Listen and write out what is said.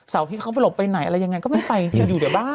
ที่เขาไปหลบไปไหนอะไรยังไงก็ไม่ไปจริงอยู่ในบ้าน